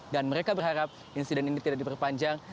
dan mereka berharap insiden ini tidak diperpanjang